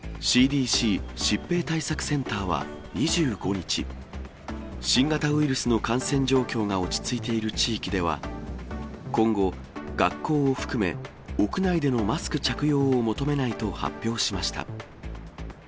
ＣＤＣ・疾病対策センターは２５日、新型ウイルスの感染状況が落ち着いている地域では、今後、学校を含め、屋内でのマスク着用を求めないと発表しました。